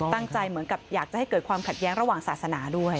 เหมือนกับอยากจะให้เกิดความขัดแย้งระหว่างศาสนาด้วย